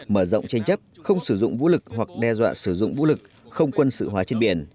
mở rộng tranh chấp không sử dụng vũ lực hoặc đe dọa sử dụng vũ lực không quân sự hóa trên biển